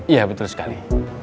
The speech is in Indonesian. iya betul sekali